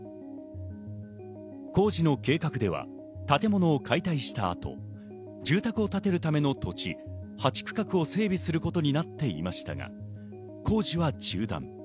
工事の計画では、建物を解体した後、住宅を建てるための土地、８区画を整備することになっていましたが、工事は中断。